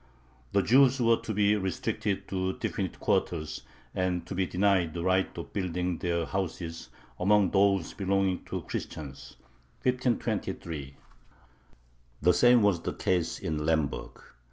The Jews were to be restricted to definite quarters and to be denied the right of building their houses among those belonging to Christians (1523). The same was the case in Lemberg.